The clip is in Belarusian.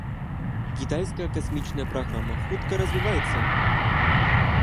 Кітайская касмічная праграма хутка развіваецца.